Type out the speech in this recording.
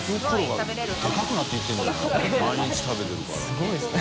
すごいですね